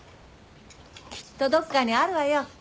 きっとどっかにあるわよ。